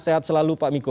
sehat selalu pak miko